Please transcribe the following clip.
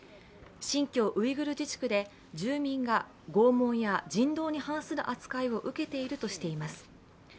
新疆ウイグル自治区で住民が拷問や人道に反する扱いを受けているとしています。